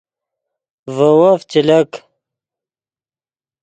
ڤے وف چے لک